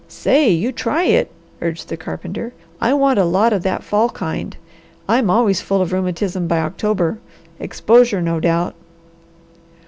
"Say you try it!" urged the carpenter. "I want a lot of the fall kind. I'm always full of rheumatism by October. Exposure, no doubt."